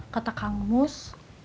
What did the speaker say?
kata kang mus